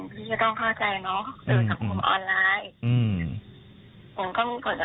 พี่จะต้องเข้าใจนะเค้าเจอสังคมออนไลน์